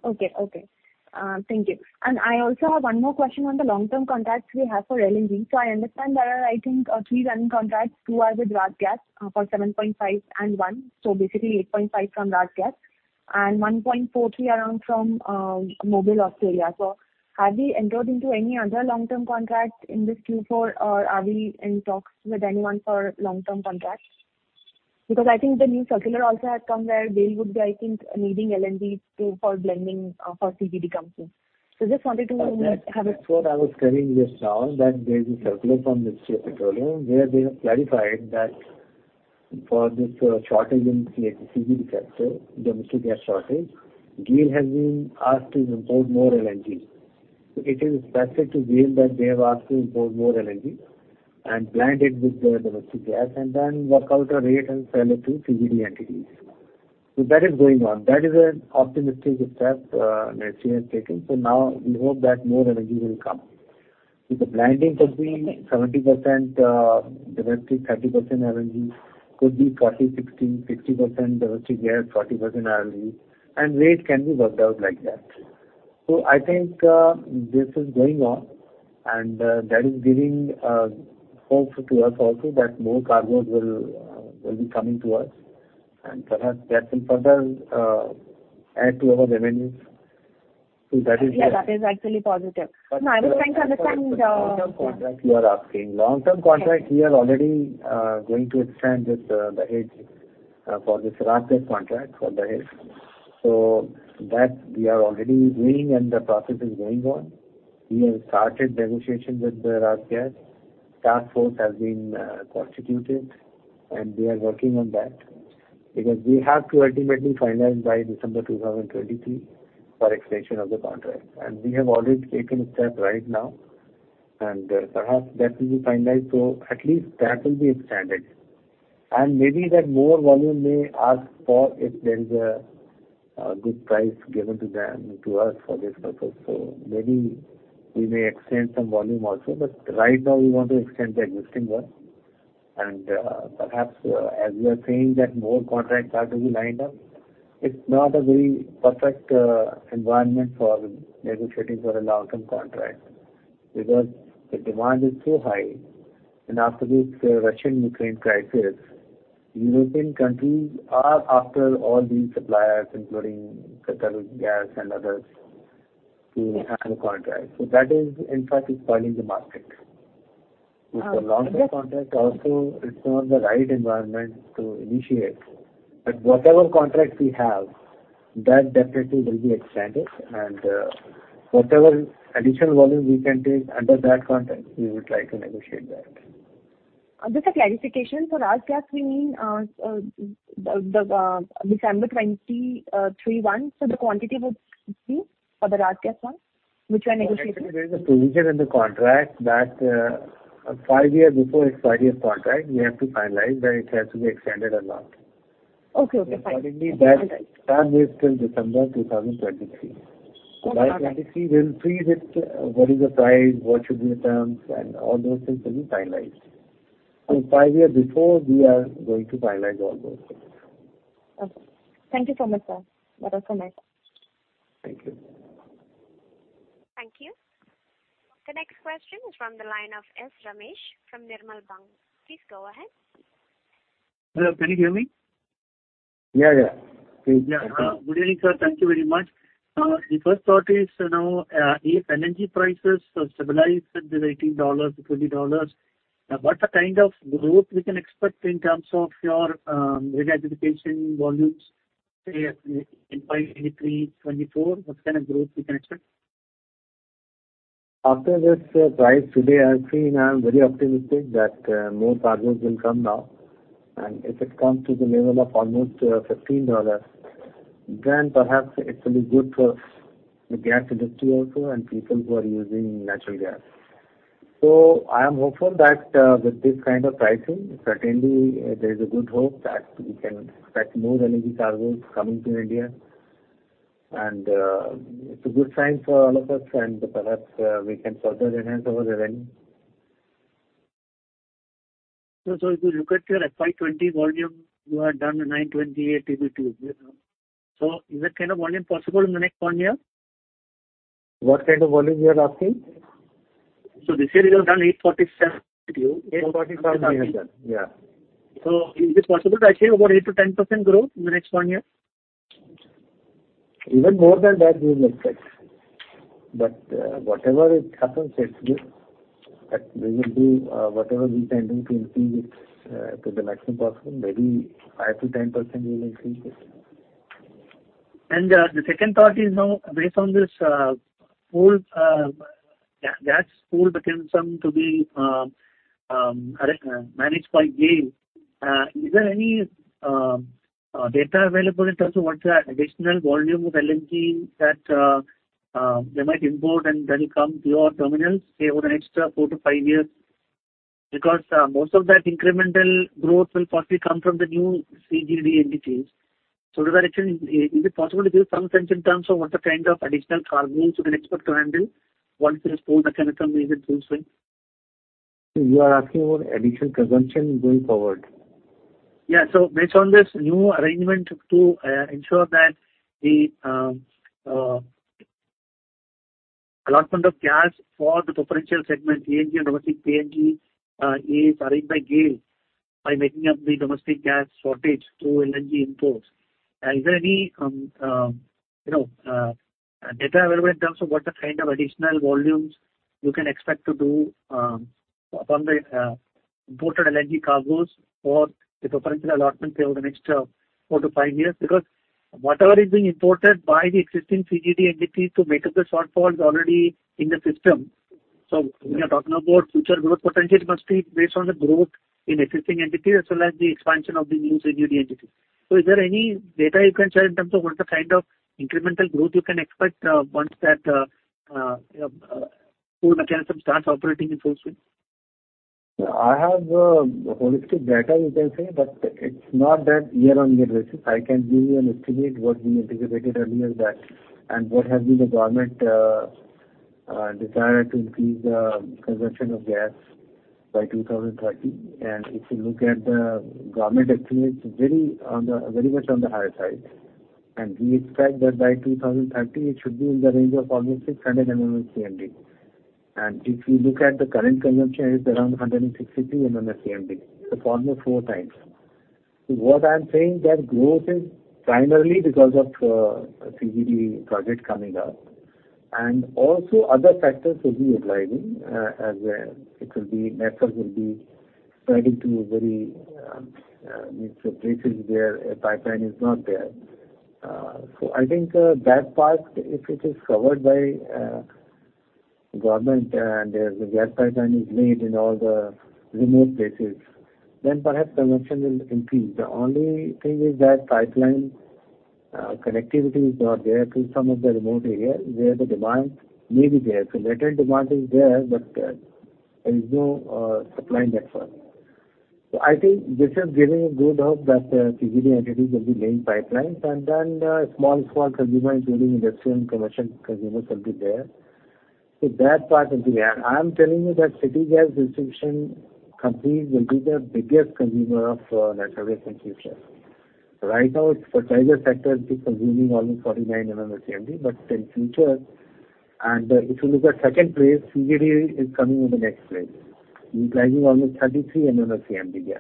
Okay, okay. Thank you. And I also have one more question on the long-term contracts we have for LNG. So I understand there are, I think, three running contracts. Two are with RasGas for 7.5 and 1, so basically 8.5 from RasGas, and 1.43 around from Mobil, Australia. So have we entered into any other long-term contracts in this Q4, or are we in talks with anyone for long-term contracts? Because I think the new circular also had come where GAIL would be, I think, needing LNG to for blending for CGD companies. So just wanted to have a- That's what I was carrying just now, that there is a circular from the Ministry of Petroleum, where they have clarified that for this, shortage in CGD sector, domestic gas shortage, GAIL has been asked to import more LNG. So it is specified to GAIL that they have asked to import more LNG and blend it with the domestic gas, and then work out a rate and sell it to CGD entities. So that is going on. That is an optimistic step, that GAIL has taken. So now we hope that more LNG will come. So the blending could be 70% domestic, 30% LNG, could be 40, 60, 50% domestic gas, 40% LNG, and rate can be worked out like that. So I think, this is going on, and, that is giving, hope to us also that more cargoes will be coming to us, and perhaps that will further, add to our revenues. So that is- Yeah, that is actually positive. Now I was trying to understand, Long-term contract you are asking. Long-term contract- Yes. We are already going to extend this, the Dahej, for this RasGas contract for the Dahej. So that we are already doing, and the process is going on. We have started negotiations with the RasGas. Task force has been constituted, and we are working on that. Because we have to ultimately finalize by December 2023 for extension of the contract, and we have already taken a step right now, and perhaps that will be finalized. So at least that will be extended. And maybe that more volume may ask for if there is a good price given to them, to us for this purpose. So maybe we may extend some volume also, but right now we want to extend the existing one. Perhaps, as we are saying that more contracts are to be lined up, it's not a very perfect environment for negotiating for a long-term contract. Because the demand is so high, and after this Russian-Ukraine crisis, European countries are after all these suppliers, including QatarGas and others, to have a contract. So that is, in fact, spoiling the market. Uh, yes. So long-term contract also, it's not the right environment to initiate. But whatever contracts we have, that definitely will be extended, and whatever additional volume we can take under that contract, we will try to negotiate that. Just a clarification, for RasGas we mean the December 20, 2031, so the quantity would be for the RasGas one, which we are negotiating? There is a provision in the contract that, five years before expiry of contract, we have to finalize that it has to be extended or not. Okay, okay, fine. Accordingly, that time is till December 2023. Okay. By 2023, we'll freeze it, what is the price, what should be the terms, and all those things will be finalized. So five year before, we are going to finalize all those things. Okay. Thank you so much, sir. That was my... Thank you. Thank you. The next question is from the line of S. Ramesh from Nirmal Bang. Please go ahead. Hello, can you hear me? Yeah, yeah. Yeah. Good evening, sir. Thank you very much. The first thought is, you know, if LNG prices stabilize at $18-$20, what kind of growth we can expect in terms of your regasification volumes, say, in FY 2023, 2024? What kind of growth we can expect? After this price today, I have seen, I am very optimistic that more cargoes will come now. And if it comes to the level of almost $15, then perhaps it will be good for the gas industry also and people who are using natural gas. So I am hopeful that with this kind of pricing, certainly there is a good hope that we can expect more LNG cargoes coming to India. And it's a good sign for all of us, and perhaps we can further enhance our revenue. If you look at your FY 2020 volume, you have done 928 TBtu, you know. Is that kind of volume possible in the next one year? What kind of volume you are asking? This year, you have done 847 TBtu. 8:45, we have done, yeah. Is it possible to achieve about 8%-10% growth in the next one year? Even more than that we will expect. But, whatever it happens, it's good, but we will do whatever we can do to increase it to the maximum possible, maybe 5%-10% we will increase it. The second part is now, based on this, the whole gas pool has come to be managed by GAIL. Is there any data available in terms of what the additional volume of LNG that they might import and that will come to your terminals, say, over the next 4-5 years. Because most of that incremental growth will firstly come from the new CGD entities. So is there actually, is it possible to give some sense in terms of what the kind of additional cargoes you can expect to handle once this whole mechanism is in full swing? You are asking about additional consumption going forward? Yeah. So based on this new arrangement to ensure that the allotment of gas for the preferential segment, CNG and domestic PNG, is arranged by GAIL, by making up the domestic gas shortage through LNG imports. Is there any, you know, data available in terms of what the kind of additional volumes you can expect to do upon the imported LNG cargoes for the preferential allotment say, over the next four to five years? Because whatever is being imported by the existing CGD entities to make up the shortfall is already in the system. So when you are talking about future growth potential, it must be based on the growth in existing entities as well as the expansion of the new CGD entities. So, is there any data you can share in terms of what the kind of incremental growth you can expect once that full mechanism starts operating in full swing? I have holistic data, you can say, but it's not that year-on-year basis. I can give you an estimate what we anticipated earlier that, and what has been the government desire to increase the consumption of gas by 2030. And if you look at the government estimate, it's very much on the higher side. And we expect that by 2030, it should be in the range of almost 600 MMSCMD. And if you look at the current consumption, it's around 162 MMSCMD, so almost 4 times. So what I am saying that growth is primarily because of CGD project coming up, and also other factors will be utilizing as well. Network will be spreading to a very places where a pipeline is not there. So I think, that part, if it is covered by, government, and the gas pipeline is made in all the remote places, then perhaps consumption will increase. The only thing is that pipeline, connectivity is not there to some of the remote areas where the demand may be there. So latent demand is there, but there is no, supply network. So I think this is giving a good hope that, CGD entities will be laying pipelines, and then, small, small consumers, including industrial and commercial consumers, will be there. So that part will be there. I am telling you that city gas distribution companies will be the biggest consumer of, natural gas in future. Right now, fertilizer sector is consuming only 49 MMSCMD, but in future... If you look at second place, CGD is coming in the next place, utilizing almost 33 MMSCMD gas,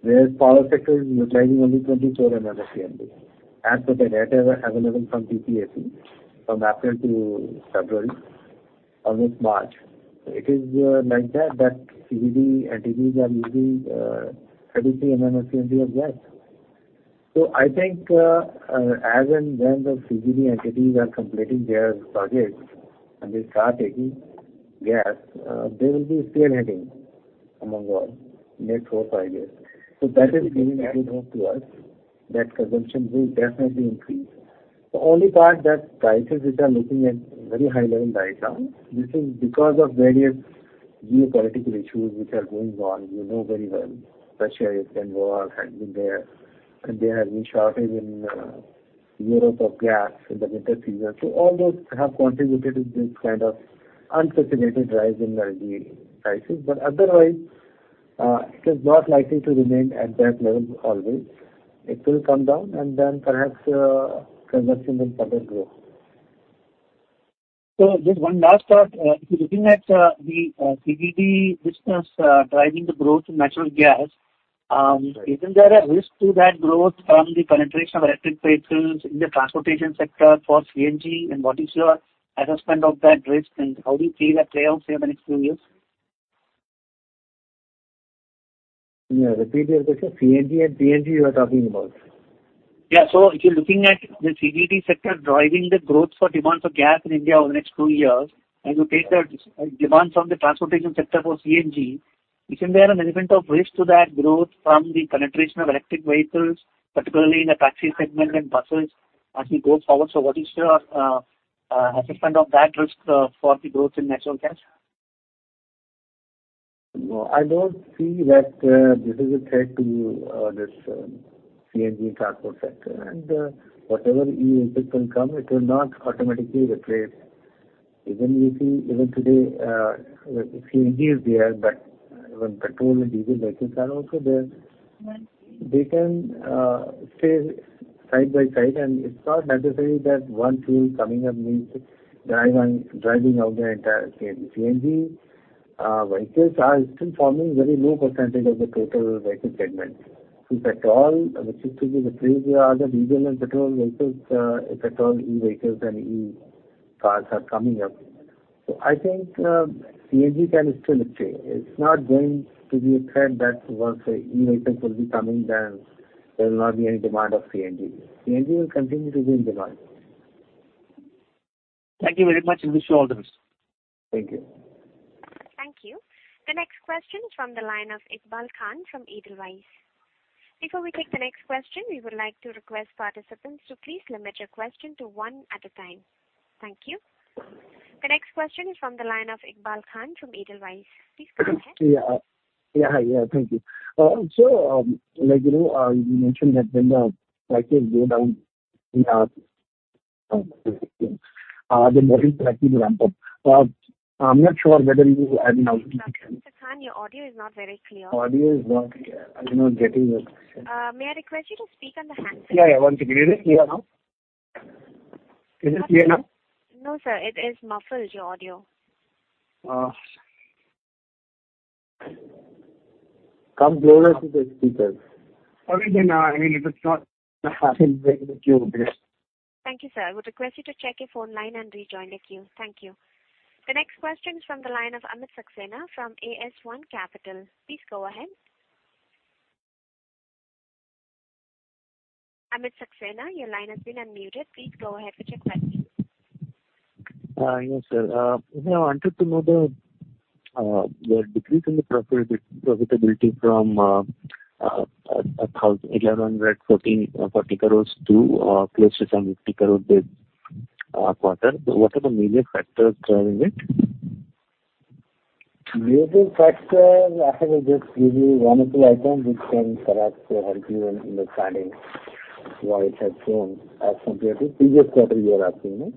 whereas power sector is utilizing only 24 MMSCMD. As per the data available from PPAC, from April to February, almost March. It is, like that, that CGD entities are using, 33 MMSCMD of gas. So I think, as and when the CGD entities are completing their projects and they start taking gas, they will be spearheading among all next 4-5 years. So that is giving a good hope to us that consumption will definitely increase. The only part that prices which are looking at very high level right now, this is because of various geopolitical issues which are going on. You know very well, Russia, Ukraine war has been there, and there has been shortage in, Europe of gas in the winter season. So all those have contributed to this kind of unanticipated rise in LNG prices. But otherwise, it is not likely to remain at that level always. It will come down, and then perhaps, consumption will further grow. Just one last thought. If you're looking at the CGD business driving the growth in natural gas, Right. Isn't there a risk to that growth from the penetration of electric vehicles in the transportation sector for CNG? And what is your assessment of that risk, and how do you see that play out say over the next few years? Yeah, repeat your question. CNG and PNG, you are talking about? Yeah. So if you're looking at the CGD sector driving the growth for demand for gas in India over the next two years, and you take the demand from the transportation sector for CNG, isn't there an element of risk to that growth from the penetration of electric vehicles, particularly in the taxi segment and buses as we go forward? So what is your assessment of that risk for the growth in natural gas? No, I don't see that this is a threat to this CNG transport sector. And whatever e-impact will come, it will not automatically replace. Even if we—Even today, CNG is there, but petrol and diesel vehicles are also there. They can stay side by side, and it's not necessary that one fuel coming up means driving out the entire chain. CNG vehicles are still forming very low percentage of the total vehicle segment. So petrol, which is to be replaced by other diesel and petrol vehicles, petrol, e-vehicles and e-cars are coming up. So I think CNG can still stay. It's not going to be a threat that once the e-vehicles will be coming, then there will not be any demand of CNG. CNG will continue to be in demand… Thank you very much. I wish you all the best. Thank you. Thank you. The next question is from the line of Iqbal Khan from Edelweiss. Before we take the next question, we would like to request participants to please limit your question to one at a time. Thank you. The next question is from the line of Iqbal Khan from Edelweiss. Please go ahead. Yeah. Yeah, yeah, thank you. So, like, you know, you mentioned that when the prices go down, we have the model practically ramp up. I'm not sure whether you are- Mr. Khan, your audio is not very clear. Audio is not clear. I'm not getting your question. May I request you to speak on the handset? Yeah, yeah. One second. Is it clear now? Is it clear now? No, sir, it is muffled, your audio. Come closer to the speaker. Okay, then, I mean, it is not very clear. Thank you, sir. We request you to check your phone line and rejoin the queue. Thank you. The next question is from the line of Amit Mishra from Axis Capital. Please go ahead. Amit Mishra, your line has been unmuted. Please go ahead with your question. Yes, sir. I wanted to know the decrease in the profitability from 1,114 crore to close to some 50 crore this quarter. So what are the major factors driving it? Major factors, I have just give you one or two items which can perhaps have given in the slide, why it has grown as compared to previous quarter you are asking, no?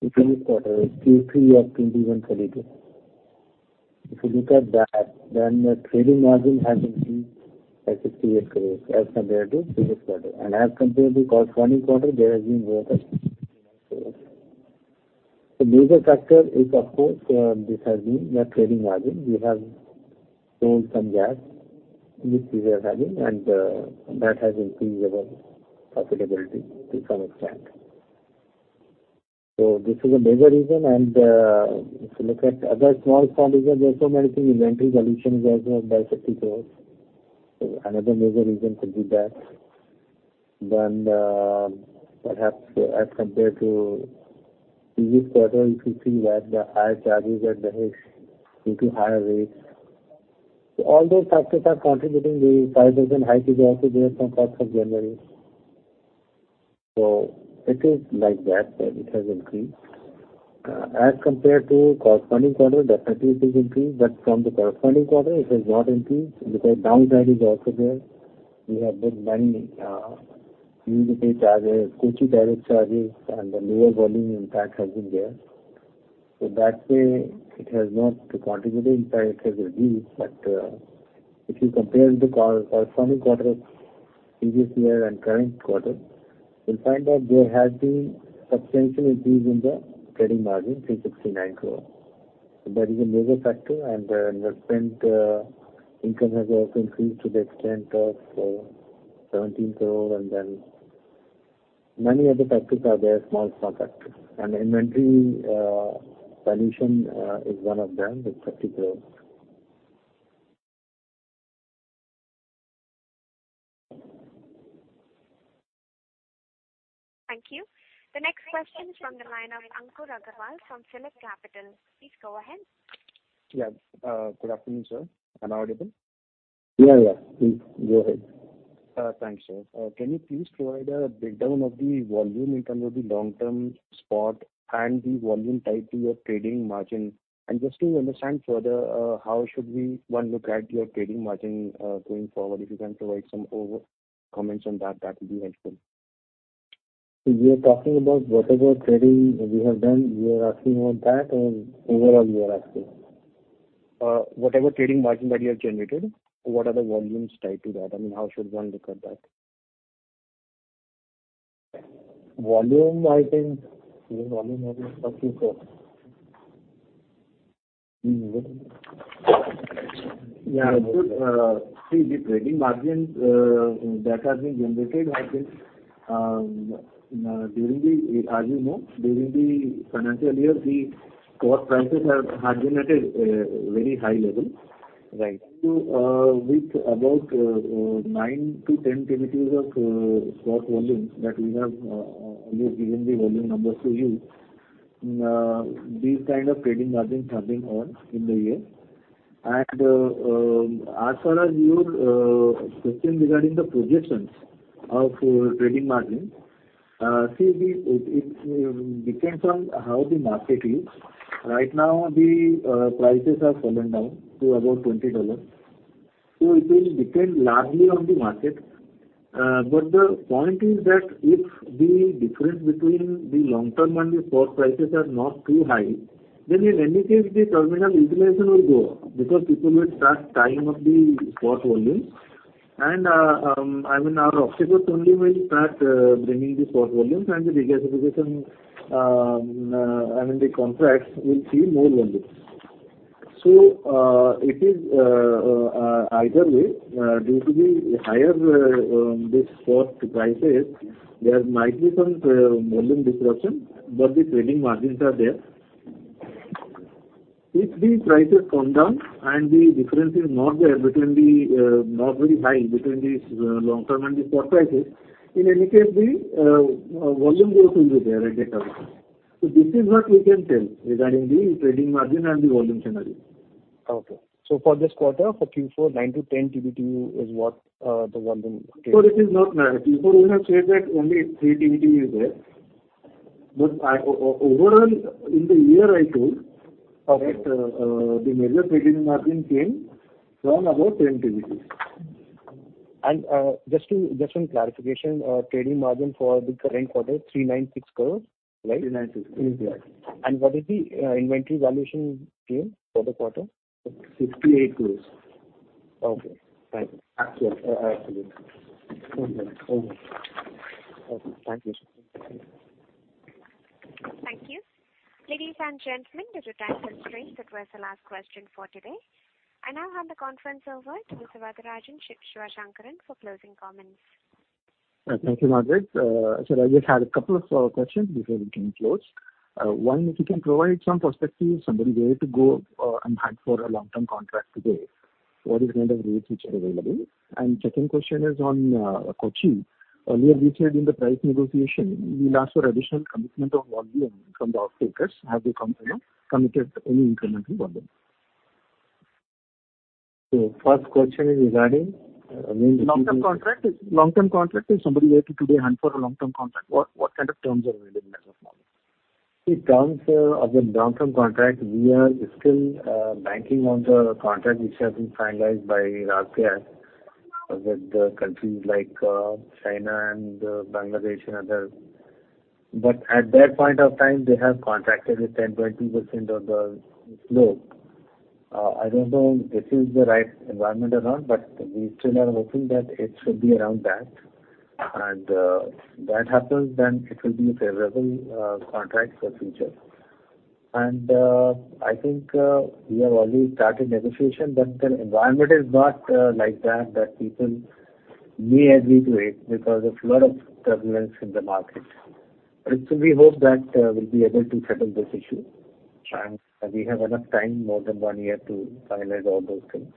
The previous quarter, Q3 of 21-22. If you look at that, then the trading margin has increased at INR 68 crores as compared to previous quarter. As compared to corresponding quarter, there has been growth of INR 69 crores. The major factor is, of course, this has been the trading margin. We have sold some gas, which we were having, and, that has increased our profitability to some extent. This is a major reason, and, if you look at other small factors, there are so many things. Inventory valuation is also by INR 60 crores. Another major reason could be that. Then, perhaps as compared to previous quarter, if you see that the higher charges are the hedge into higher rates. So all those factors are contributing the 5% hike is also there from first of January. So it is like that, that it has increased. As compared to corresponding quarter, definitely it is increased, but from the corresponding quarter, it has not increased because downside is also there. We have put many new charges, Kochi tariff charges, and the lower volume impact has been there. So that way, it has not contributed in fact it has reduced. But, if you compare the corresponding quarter of previous year and current quarter, you'll find that there has been substantial increase in the trading margin, 369 crore. So that is a major factor, and investment income has also increased to the extent of 17 crore, and then many other factors are there, small, small factors. Inventory valuation is one of them, it's INR 30 crore. Thank you. The next question is from the line of Ankur Agarwal from PhillipCapital. Please go ahead. Yeah, good afternoon, sir. Am I audible? Yeah, yeah. Please, go ahead. Thanks, sir. Can you please provide a breakdown of the volume in terms of the long-term spot and the volume tied to your trading margin? And just to understand further, how should we, one, look at your trading margin, going forward? If you can provide some over comments on that, that would be helpful. So you are talking about whatever trading we have done, you are asking about that, or overall you are asking? Whatever trading margin that you have generated, what are the volumes tied to that? I mean, how should one look at that? Volume, I think, the volume has been talking for... Yeah. See, the trading margins that have been generated have been during the... As you know, during the financial year, the spot prices have been at a very high level. Right. So, with about 9-10 TBtu of spot volume that we have given the volume numbers to you, these kind of trading margins have been on in the year. And, as far as your question regarding the projections of trading margin, see, it depends on how the market is. Right now, the prices have fallen down to about $20. So it will depend largely on the market. But the point is that if the difference between the long-term and the spot prices are not too high, then in any case, the terminal utilization will go up, because people will start tying up the spot volumes. I mean, our optimization only will start bringing the spot volumes, and the regasification, I mean, the contracts will see more volumes. So, it is either way due to the higher spot prices, there might be some volume disruption, but the trading margins are there. If the prices come down and the difference is not very high between these long-term and the spot prices, in any case, the volume growth will be there at that time. So this is what we can tell regarding the trading margin and the volume scenario. Okay. So for this quarter, for Q4, 9-10 TBtu is what the volume is? No, this is not 9. Q4, we have said that only 3 TBtu is there. But overall, in the year, I told- Okay. The major Trading Margin came from about 10 TBtu. Just some clarification, trading margin for the current quarter, 396 crore, right? 396, yes. What is the inventory valuation gain for the quarter? Sixty-eight crores. Okay, fine. Actually, actually. Okay. Okay. Okay, thank you. Thank you. Ladies and gentlemen, that concludes our time. That was the last question for today. I now hand the conference over to Mr. Varatharajan Sivasankaran for closing comments. Thank you, Margaret. So I just had a couple of follow-up questions before we can close. One, if you can provide some perspective, somebody where to go, and hunt for a long-term contract today, what is kind of rates which are available? And second question is on Kochi. Earlier, you said in the price negotiation, we'll ask for additional commitment of volume from the off-takers. Have you committed any incremental volume? First question is regarding? I mean- Long-term contract. If long-term contract, is somebody were to today hunt for a long-term contract, what, what kind of terms are available as of now? The terms of the long-term contract, we are still banking on the contract which has been finalized by QatarEnergy with the countries like China and Bangladesh and others. But at that point of time, they have contracted with 10, 20% of the load. I don't know if this is the right environment or not, but we still are hoping that it should be around that. And that happens, then it will be a favorable contract for future. And I think we have already started negotiation, but the environment is not like that, that people may agree to it because there's a lot of turbulence in the market. But still we hope that we'll be able to settle this issue, and we have enough time, more than one year, to finalize all those things.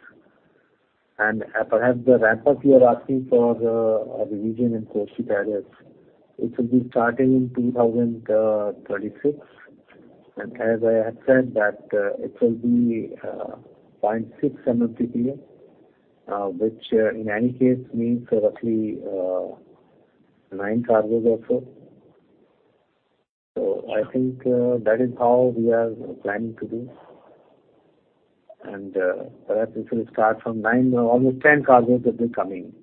Perhaps, the ramp-up you are asking for, a revision in Kochi areas, it will be starting in 2036. And as I have said, that, it will be, 0.6 MMTPA, which, in any case, means roughly, 9 cargos or so. So I think, that is how we are planning to do. And, perhaps it will start from 9, almost 10 cargos will be coming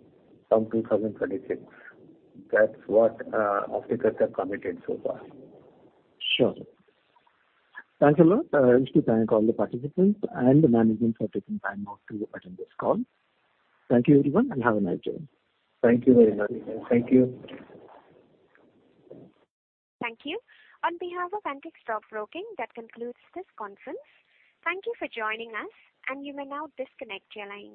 from 2036. That's what, off-takers have committed so far. Sure. Thanks a lot. I wish to thank all the participants and the management for taking time out to attend this call. Thank you, everyone, and have a nice day. Thank you very much. Thank you. Thank you. On behalf of Antique Stock Broking, that concludes this conference. Thank you for joining us, and you may now disconnect your lines.